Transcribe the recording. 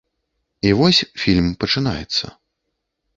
І вось, фільм пачынаецца.